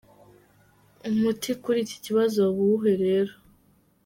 Umuti kuri iki kibazo waba uwuhe rero ?.